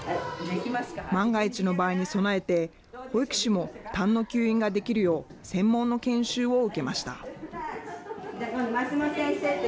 万が一の場合に備えて、保育士もたんの吸引ができるよう、専門の研修を受けました。